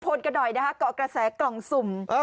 กันหน่อยนะคะเกาะกระแสกล่องสุ่ม